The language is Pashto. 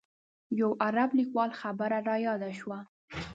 یو عرب لیکوال خبره رایاده شوه.